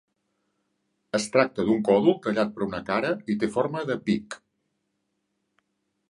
Es tracta d'un còdol tallat per una cara i té forma de pic.